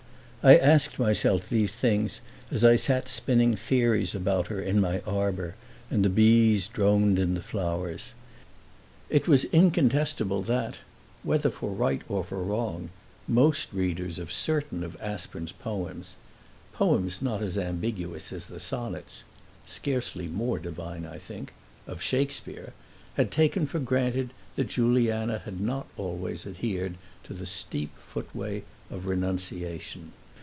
I asked myself these things as I sat spinning theories about her in my arbor and the bees droned in the flowers. It was incontestable that, whether for right or for wrong, most readers of certain of Aspern's poems (poems not as ambiguous as the sonnets scarcely more divine, I think of Shakespeare) had taken for granted that Juliana had not always adhered to the steep footway of renunciation.